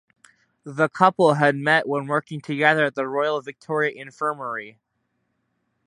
The couple had met when working together at the Royal Victoria Infirmary.